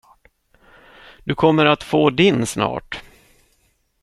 Du kommer att få din snart.